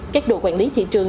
các đội quản lý thị trường